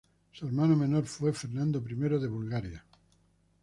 Su hermano menor fue Fernando I de Bulgaria.